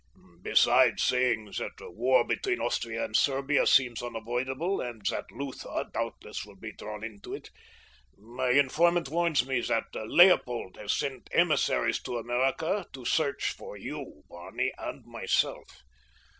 "Besides saying that war between Austria and Serbia seems unavoidable and that Lutha doubtless will be drawn into it, my informant warns me that Leopold had sent emissaries to America to search for you, Barney, and myself.